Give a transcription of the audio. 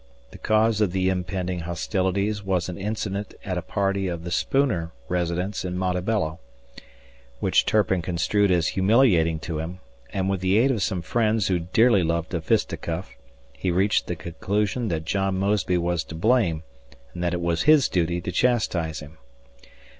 The cause of the impending hostilities was an incident at a party at the Spooner residence in Montebello, which Turpin construed as humiliating to him, and with the aid of some friends who dearly loved a fisticuff, he reached the conclusion that John Mosby was to blame and that it was his duty to chastise him.